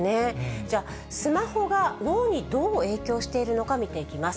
じゃあスマホが脳にどう影響しているのか、見ていきます。